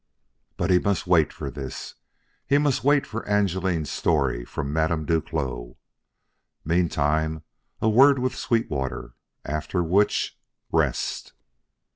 But he must wait for this, as he must wait for Angeline's story from Madame Duclos. Meantime, a word with Sweetwater after which, rest.